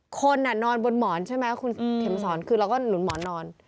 คนนอนบนหมอนใช่ไหมคุณเข็มสอนคือเราก็หนุนหมอนนอน